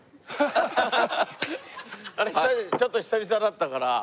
ちょっと久々だったから。